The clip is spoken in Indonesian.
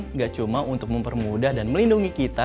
nggak cuma untuk mempermudah dan melindungi kita